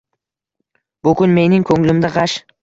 Bukun mening ko’nglimda g’ash